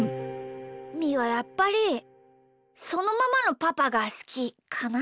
みーはやっぱりそのままのパパがすきかな。